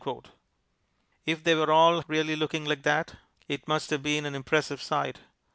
If they were all really looking like that, it must have been an impressive sight.